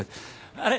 あれ？